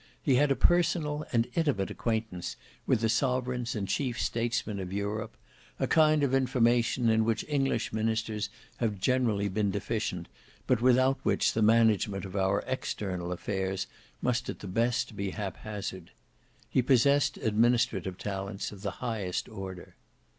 He had a personal and intimate acquaintance with the sovereigns and chief statesmen of Europe, a kind of information in which English ministers have generally been deficient, but without which the management of our external affairs must at the best be haphazard. He possessed administrative talents of the highest order.